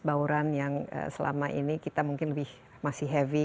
bauran yang selama ini kita mungkin lebih masih heavy